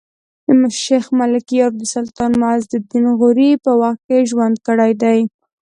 شېخ ملکیار د سلطان معز الدین غوري په وخت کښي ژوند کړی دﺉ.